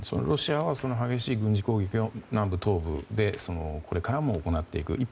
ロシアは激しい軍事攻撃を南部、東部でこれからも行っていく。